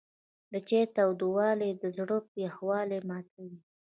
د چای تودوالی د زړه یخوالی ماتوي.